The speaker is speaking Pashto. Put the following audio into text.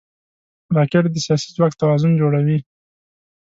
راکټ د سیاسي ځواک توازن جوړوي